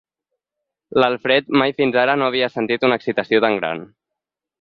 L'Alfred mai fins ara no havia sentit una excitació tan gran.